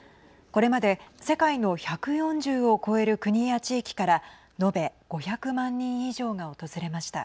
これまで世界の１４０を超える国や地域から延べ５００万人以上が訪れました。